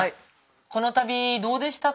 この旅どうでしたか？